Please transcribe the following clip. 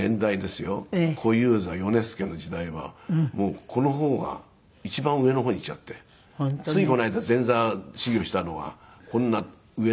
小遊三米助の時代はこの方が一番上の方に来ちゃってついこの間前座修業したのがこんな上になっちゃって。